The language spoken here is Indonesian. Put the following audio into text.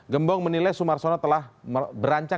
gembong menilai sumarsono telah berancang